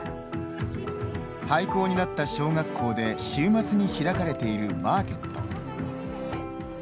廃校になった小学校で週末に開かれているマーケット。